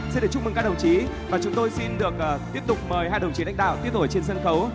xin được chúc mừng các đồng chí và chúng tôi xin được tiếp tục mời hai đồng chí lãnh đạo tiếp tục ở trên sân khấu